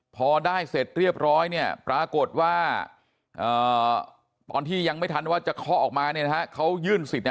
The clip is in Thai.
พอได้เสร็จเรียบร้อยเนี่ยปรากฏว่าตอนที่ยังไม่ทันว่าจะเคาะออกมาเนี่ยนะฮะเขายื่นสิทธิ์